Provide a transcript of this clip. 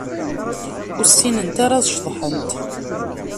Ur ssinent ara ad ceḍḥent.